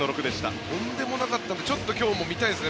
とんでもなかったので今日も見たいですね。